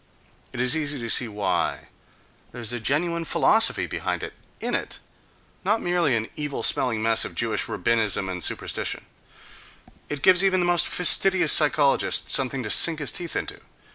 It is easy to see why: there is a genuine philosophy behind it, in it, not merely an evil smelling mess of Jewish rabbinism and superstition,—it gives even the most fastidious psychologist something to sink his teeth into.